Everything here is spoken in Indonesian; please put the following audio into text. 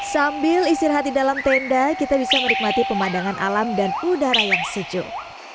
sambil istirahat di dalam tenda kita bisa menikmati pemandangan alam dan udara yang sejuk